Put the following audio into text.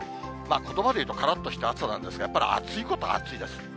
ことばで言うと、からっとした暑さなんですが、やっぱり暑いことは暑いです。